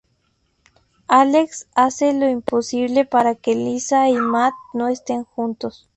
Alex hace lo imposible para que Lisa y Matt no esten juntos.